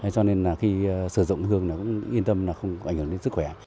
cho nên là khi sử dụng hương nó cũng yên tâm là không ảnh hưởng đến sức khỏe